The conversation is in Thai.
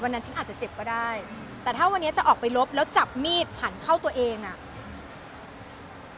ฉันอาจจะเจ็บก็ได้แต่ถ้าวันนี้จะออกไปลบแล้วจับมีดหันเข้าตัวเองอ่ะ